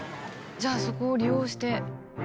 じゃあそこを利用して。